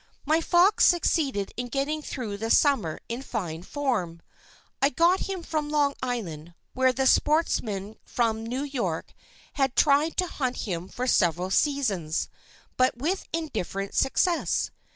My fox succeeded in getting through the summer in fine form. I got him from Long Island where the sportsmen from New York had tried to hunt him for several seasons, but with indifferent success.